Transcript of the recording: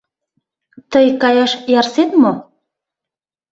Тый каяш ярсет мо?